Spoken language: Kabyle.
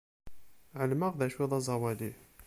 Ɛelmeɣ d acu d aẓawali.